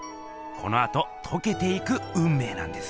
このあととけていくうんめいなんです。